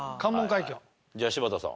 じゃあ柴田さん。